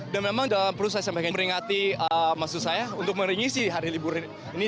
dan memang dalam proses yang ingin memeringati masu saya untuk meringisi hari liburan ini